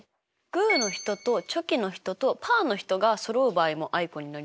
グーの人とチョキの人とパーの人がそろう場合もあいこになりますよ。